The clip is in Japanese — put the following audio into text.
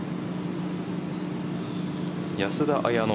安田彩乃